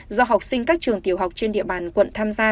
do học sinh các trường tiểu học trên địa bàn quận tham gia